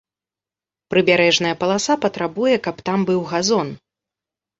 Прыбярэжная паласа патрабуе, каб там быў газон.